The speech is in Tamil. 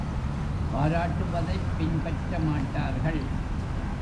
பாராட்டுவதைப் பின்பற்ற மாட்டார்கள்.